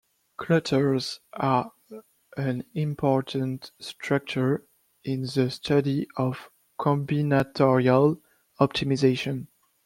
Clutters are an important structure in the study of combinatorial optimization.